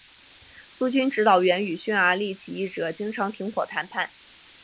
苏军指挥员与匈牙利起义者经常停火谈判。